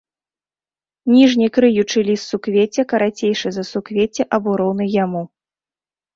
Ніжні крыючы ліст суквецця карацейшы за суквецце або роўны яму.